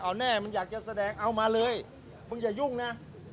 เอาแน่มึงอยากจะแสดงเอามาเลยมึงอย่ายุ่งนะ